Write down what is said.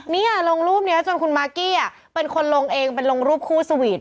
นี่ลงรูปนี้จนคุณมากกี้เป็นคนลงเองเป็นลงรูปคู่สวีท